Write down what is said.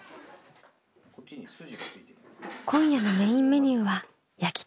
今夜のメインメニューは焼き鳥。